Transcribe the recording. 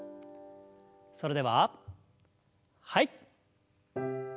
それでははい。